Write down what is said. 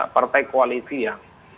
partai koalisi yang